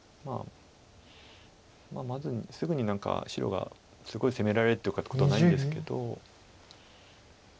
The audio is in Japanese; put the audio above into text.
まずすぐに何か白がすごい攻められるということはないんですけど。